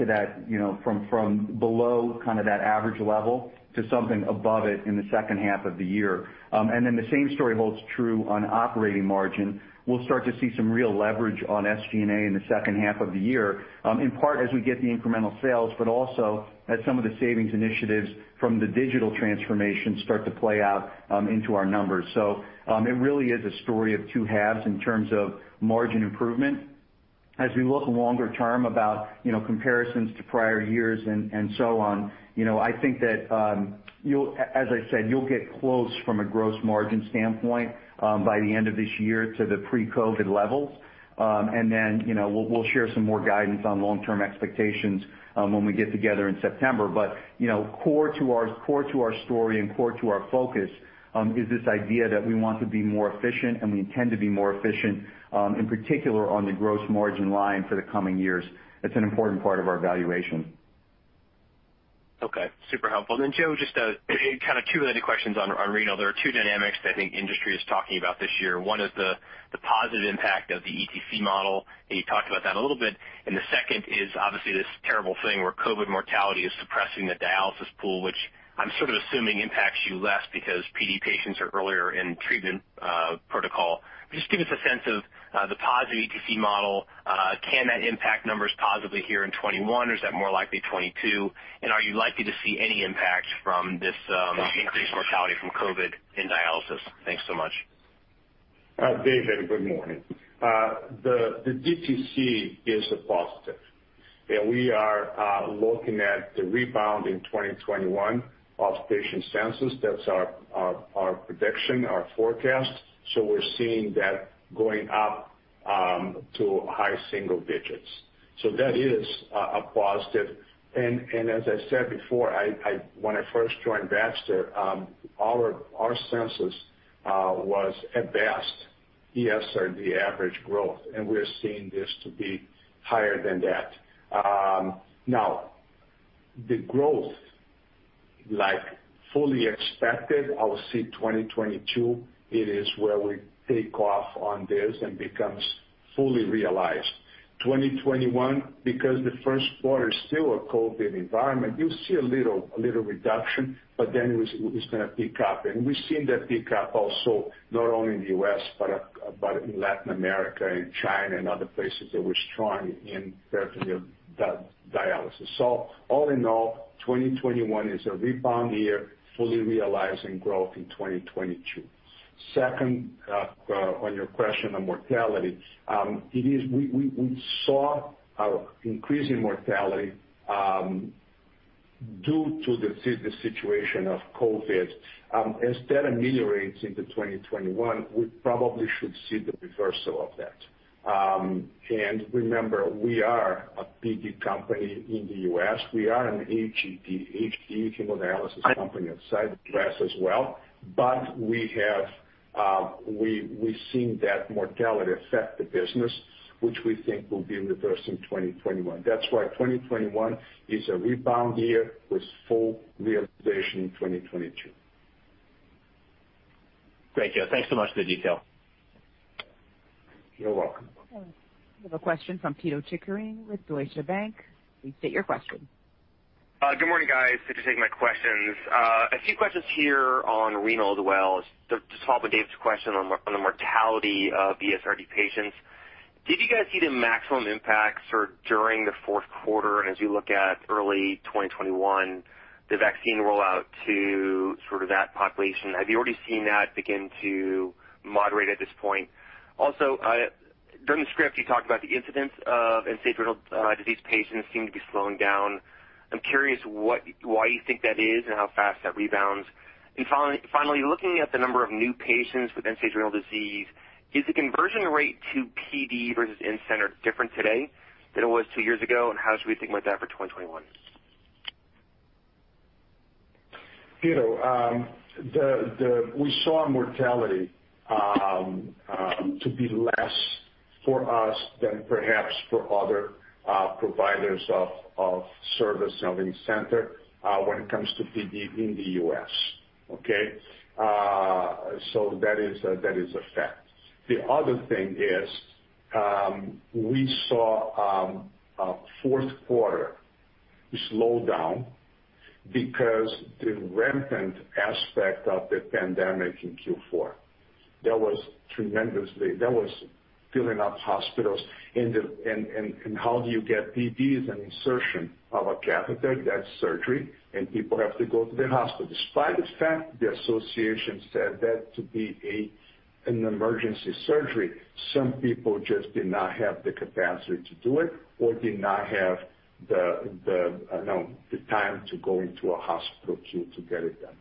from below kind of that average level to something above it in the second half of the year. The same story holds true on operating margin. We'll start to see some real leverage on SG&A in the second half of the year, in part as we get the incremental sales, but also as some of the savings initiatives from the digital transformation start to play out into our numbers. It really is a story of two halves in terms of margin improvement. As we look longer term about comparisons to prior years and so on, I think that, as I said, you'll get close from a gross margin standpoint by the end of this year to the pre-COVID levels. We'll share some more guidance on long-term expectations when we get together in September. Core to our story and core to our focus is this idea that we want to be more efficient, and we intend to be more efficient, in particular on the gross margin line for the coming years. It's an important part of our evaluation. Okay. Super helpful. Joe, just kind of two of the questions on renal. There are two dynamics that I think industry is talking about this year. One is the positive impact of the ETC model, and you talked about that a little bit. The second is obviously this terrible thing where COVID mortality is suppressing the dialysis pool, which I'm sort of assuming impacts you less because PD patients are earlier in treatment protocol. Just give us a sense of the positive ETC model. Can that impact numbers positively here in 2021, or is that more likely 2022? Are you likely to see any impact from this increased mortality from COVID in dialysis? Thanks so much. David, good morning. The ETC is a positive. We are looking at the rebound in 2021 of patient census. That's our prediction, our forecast. We're seeing that going up to high single digits. That is a positive. As I said before, when I first joined Baxter, our census was at best ESRD average growth, and we're seeing this to be higher than that. Now, the growth, like fully expected, I'll see 2022, it is where we take off on this and becomes fully realized. 2021, because the first quarter is still a COVID environment, you see a little reduction, but then it's going to pick up. We've seen that pick up also not only in the U.S., but in Latin America and China and other places that we're strong in peritoneal dialysis. All in all, 2021 is a rebound year, fully realizing growth in 2022. Second, on your question on mortality, we saw increasing mortality due to the situation of COVID. Instead of ameliorating to 2021, we probably should see the reversal of that. Remember, we are a PD company in the U.S. We are an HED, hemodialysis company outside the U.S. as well. We see that mortality affect the business, which we think will be reversed in 2021. That is why 2021 is a rebound year with full realization in 2022. Thank you. Thanks so much for the detail. You're welcome. We have a question from Pito Chickering with Deutsche Bank. Please state your question. Good morning, guys. Thanks for taking my questions. A few questions here on renal as well. Just to follow up on David's question on the mortality of ESRD patients. Did you guys see the maximum impact sort of during the fourth quarter and as we look at early 2021, the vaccine rollout to sort of that population? Have you already seen that begin to moderate at this point? Also, during the script, you talked about the incidence of end-stage renal disease patients seem to be slowing down. I'm curious why you think that is and how fast that rebounds. Finally, looking at the number of new patients with end-stage renal disease, is the conversion rate to PD versus in-center different today than it was two years ago, and how should we think about that for 2021? Pito, we saw mortality to be less for us than perhaps for other providers of service in the center when it comes to PD in the U.S. Okay? That is a fact. The other thing is we saw a fourth quarter slow down because the rampant aspect of the pandemic in Q4. That was tremendously filling up hospitals. How do you get PDs and insertion of a catheter? That is surgery, and people have to go to the hospital. Despite the fact the association said that to be an emergency surgery, some people just did not have the capacity to do it or did not have the time to go into a hospital queue to get it done.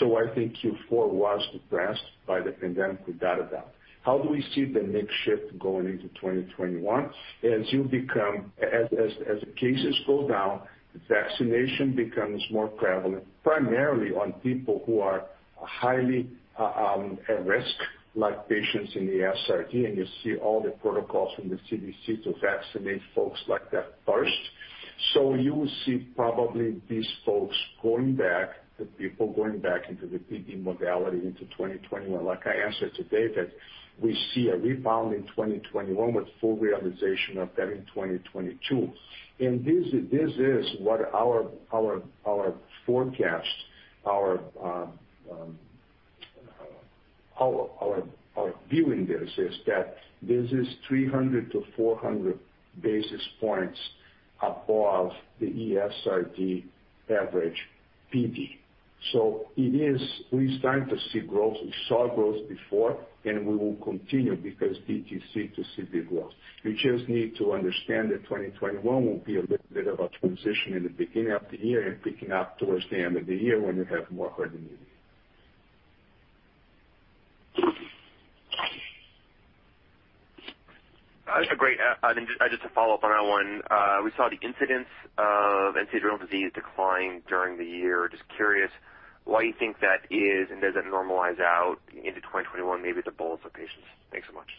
I think Q4 was depressed by the pandemic with that event. How do we see the next shift going into 2021? As the cases go down, vaccination becomes more prevalent, primarily on people who are highly at risk, like patients in the ESRD. You see all the protocols from the CDC to vaccinate folks like that first. You will see probably these folks going back, the people going back into the PD modality into 2021. Like I answered to David, we see a rebound in 2021 with full realization of that in 2022. This is what our forecast, our viewing this is that this is 300-400 basis points above the ESRD average PD. We are starting to see growth. We saw growth before, and we will continue because ETC to CD growth. You just need to understand that 2021 will be a little bit of a transition in the beginning of the year and picking up towards the end of the year when you have more herd immunity. That's great. Just to follow up on that one, we saw the incidence of end-stage renal disease decline during the year. Just curious why you think that is and does it normalize out into 2021, maybe the bullets of patients. Thanks so much.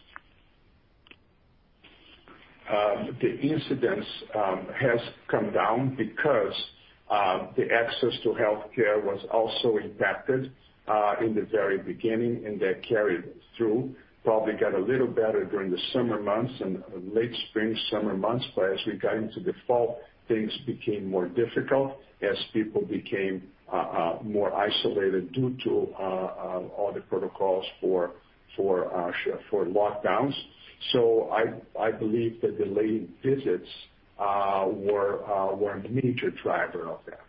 The incidence has come down because the access to healthcare was also impacted in the very beginning, and that carried through. Probably got a little better during the summer months and late spring summer months. As we got into the fall, things became more difficult as people became more isolated due to all the protocols for lockdowns. I believe that delayed visits were a major driver of that.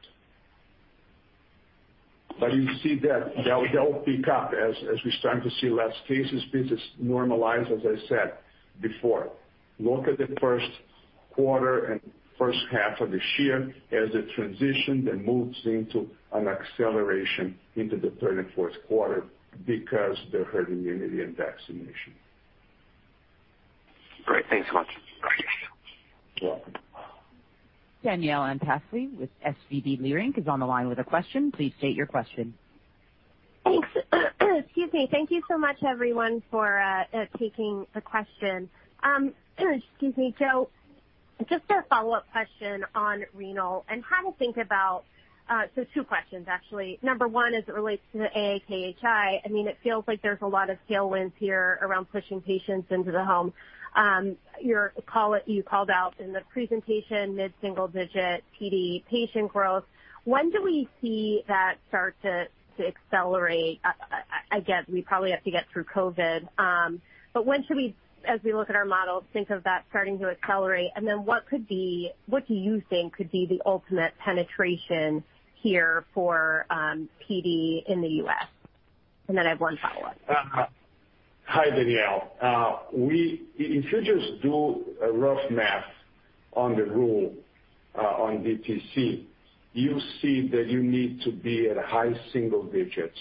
You see that they'll pick up as we start to see less cases. This is normalized, as I said before. Look at the first quarter and first half of this year as it transitioned and moved into an acceleration into the third and fourth quarter because of the herd immunity and vaccination. Great. Thanks so much. You're welcome. Danielle Antalffy with SVB Leerink is on the line with a question. Please state your question. Thanks. Excuse me. Thank you so much, everyone, for taking the question. Excuse me, Joe. Just a follow-up question on renal and how to think about so two questions, actually. Number one is it relates to AAKHI. I mean, it feels like there's a lot of tailwinds here around pushing patients into the home. You called out in the presentation mid-single digit PD patient growth. When do we see that start to accelerate? I guess we probably have to get through COVID. When should we, as we look at our models, think of that starting to accelerate? What do you think could be the ultimate penetration here for PD in the U.S.? I have one follow-up. Hi, Danielle. If you just do a rough math on the rule on ETC, you see that you need to be at high single digits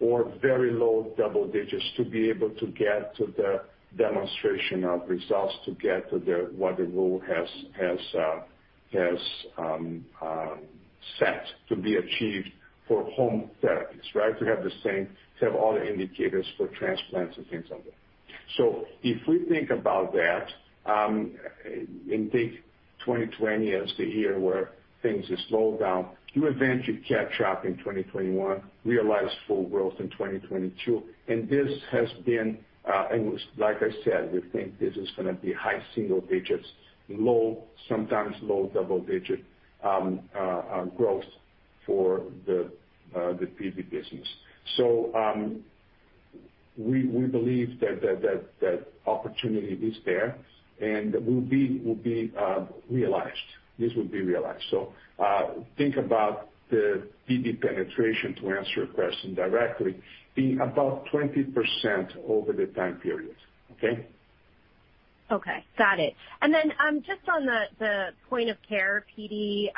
or very low double digits to be able to get to the demonstration of results to get to what the rule has set to be achieved for home therapies, right? To have all the indicators for transplants and things like that. If we think about that and take 2020 as the year where things slowed down, you eventually catch up in 2021, realize full growth in 2022. This has been, like I said, we think this is going to be high single digits, sometimes low double digit growth for the PD business. We believe that opportunity is there, and it will be realized. This will be realized. Think about the PD penetration to answer your question directly being about 20% over the time period. Okay? Okay. Got it. On the point of care, PD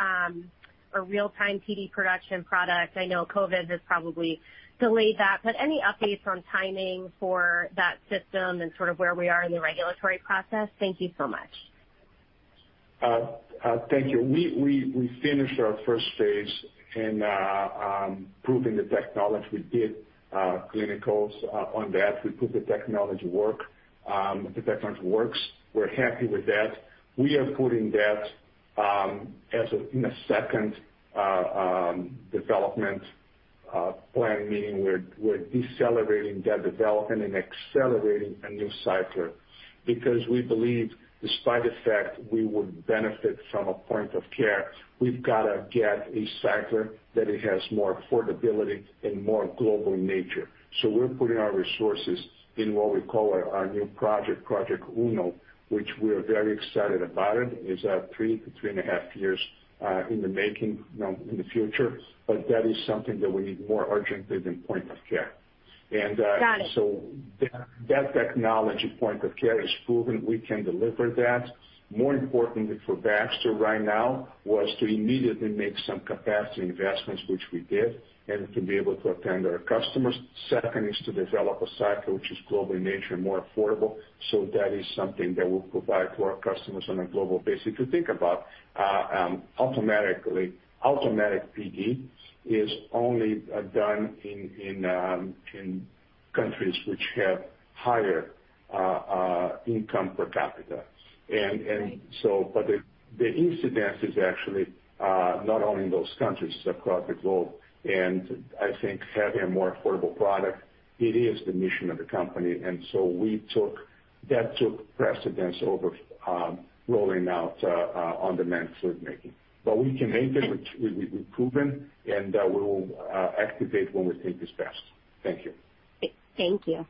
or real-time PD production product, I know COVID has probably delayed that. Any updates on timing for that system and sort of where we are in the regulatory process? Thank you so much. Thank you. We finished our first phase in proving the technology. We did clinicals on that. We put the technology to work. The technology works. We're happy with that. We are putting that in a second development plan meeting. We're decelerating that development and accelerating a new cycle because we believe despite the fact we would benefit from a point of care, we've got to get a cycle that has more affordability and more global nature. We are putting our resources in what we call our new project, Project UNO, which we're very excited about. It is a three to three and a half years in the making in the future. That is something that we need more urgently than point of care. That technology point of care is proven. We can deliver that. More importantly for Baxter right now was to immediately make some capacity investments, which we did, and to be able to attend our customers. Second is to develop a cycler which is global in nature and more affordable. That is something that we'll provide to our customers on a global basis. If you think about automatic PD, it is only done in countries which have higher income per capita. The incidence is actually not only in those countries, it is across the globe. I think having a more affordable product, it is the mission of the company. That took precedence over rolling out on-demand fluid making. We can make it. We've proven and we will activate when we think it's best. Thank you. Thank you.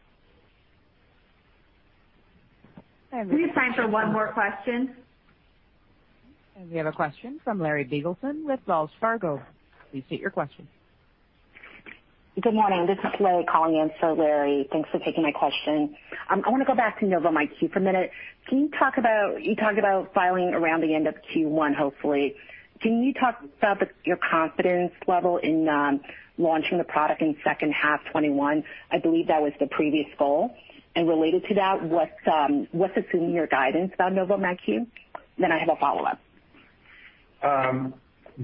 We have time for one more question. We have a question from Larry Biegelsen with Wells Fargo. Please state your question. Good morning. This is Lay calling in. Larry, thanks for taking my question. I want to go back to Novum IQ for a minute. Can you talk about you talked about filing around the end of Q1, hopefully. Can you talk about your confidence level in launching the product in second half 2021? I believe that was the previous goal. Related to that, what's assuming your guidance about Novum IQ? I have a follow-up.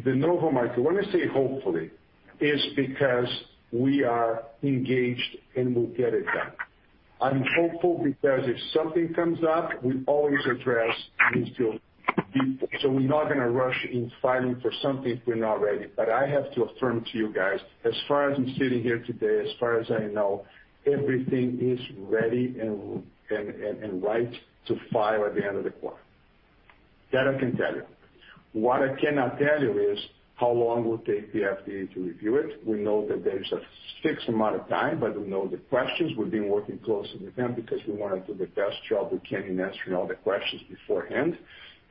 The Novum IQ, when I say hopefully, it's because we are engaged and we'll get it done. I'm hopeful because if something comes up, we always address and we still do. We're not going to rush in filing for something if we're not ready. I have to affirm to you guys, as far as I'm sitting here today, as far as I know, everything is ready and right to file at the end of the quarter. That I can tell you. What I cannot tell you is how long will it take the FDA to review it. We know that there's a fixed amount of time, but we know the questions. We've been working closely with them because we want to do the best job we can in answering all the questions beforehand.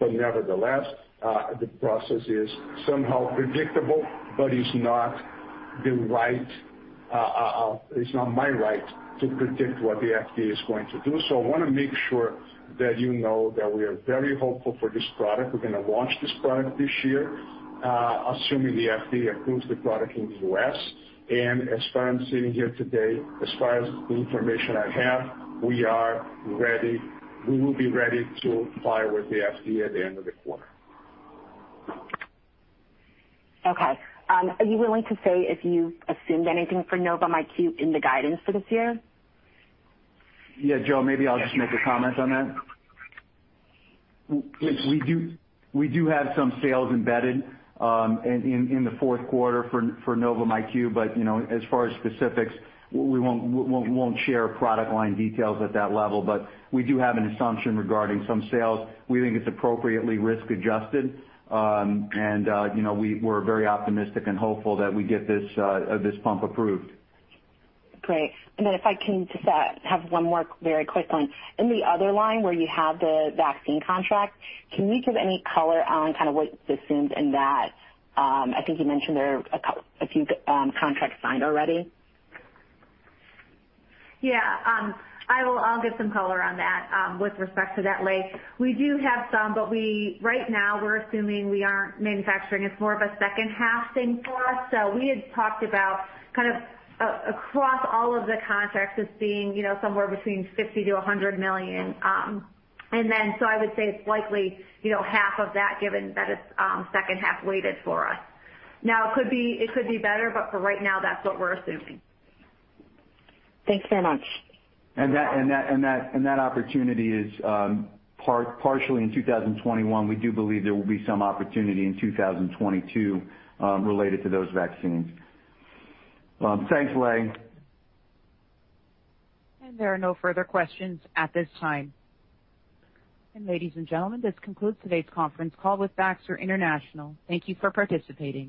Nevertheless, the process is somehow predictable, but it's not my right to predict what the FDA is going to do. I want to make sure that you know that we are very hopeful for this product. We're going to launch this product this year, assuming the FDA approves the product in the U.S.. As far as I'm sitting here today, as far as the information I have, we are ready. We will be ready to file with the FDA at the end of the quarter. Okay. Are you willing to say if you've assumed anything for Novum IQ in the guidance for this year? Yeah, Joe, maybe I'll just make a comment on that. We do have some sales embedded in the fourth quarter for Novum IQ. As far as specifics, we won't share product line details at that level. We do have an assumption regarding some sales. We think it's appropriately risk-adjusted. We are very optimistic and hopeful that we get this pump approved. Great. If I can just have one more very quick one. In the other line where you have the vaccine contract, can you give any color on kind of what's assumed in that? I think you mentioned there are a few contracts signed already. Yeah. I'll give some color on that with respect to that, Lay. We do have some, but right now we're assuming we aren't manufacturing. It's more of a second half thing for us. We had talked about kind of across all of the contracts as being somewhere between $50 million-$100 million. I would say it's likely half of that given that it's second half weighted for us. Now, it could be better, but for right now, that's what we're assuming. Thanks very much. That opportunity is partially in 2021. We do believe there will be some opportunity in 2022 related to those vaccines. Thanks, Lay. There are no further questions at this time. Ladies and gentlemen, this concludes today's conference call with Baxter International. Thank you for participating.